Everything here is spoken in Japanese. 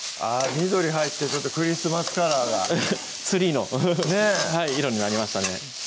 緑入ってクリスマスカラーがツリーの色になりましたね